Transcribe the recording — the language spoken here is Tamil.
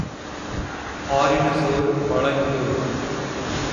ஆறின சோறு பழஞ் சோறு.